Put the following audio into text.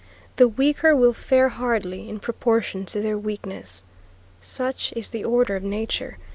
The weaker will fare hardly in proportion to their weakness. Such is the order of nature.